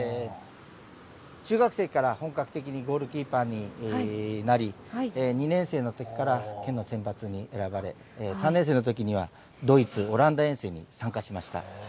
中学生から本格的にゴールキーパーになり２年生のときから県の選抜に選ばれ３年生のときにはドイツ、オランダ遠征に参加しました。